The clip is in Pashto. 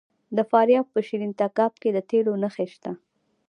د فاریاب په شیرین تګاب کې د تیلو نښې شته.